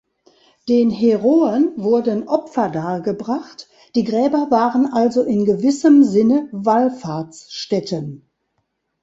Den „Heroen“ wurden Opfer dargebracht, die Gräber waren also in gewissem Sinne Wallfahrtsstätten.